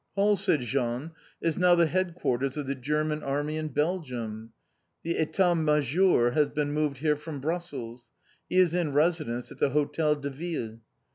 "Hall," said Jean, "is now the headquarters of the German Army in Belgium! The État Majeur has been moved here from Brussels. He is in residence at the Hôtel de Ville.